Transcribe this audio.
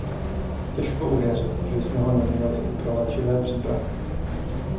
Těžko uvěřit, že jsme ho neměli i pro léčivé přípravky.